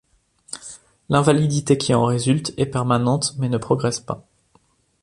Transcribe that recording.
L'invalidité qui en résulte est permanente mais ne progresse pas.